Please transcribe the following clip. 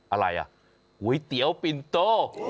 อะไรอ่ะก๋วยเตี๋ยวปิ่นโต